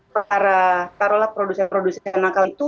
para taruhlah produsen produsen nakal itu